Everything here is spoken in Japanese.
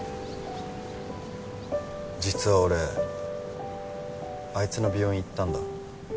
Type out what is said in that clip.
実は俺あいつの病院行ったんだ。